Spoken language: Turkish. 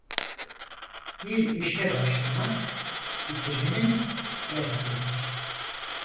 Bir işe başlamak, bitirmenin yarısıdır.